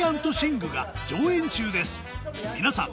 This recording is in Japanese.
皆さん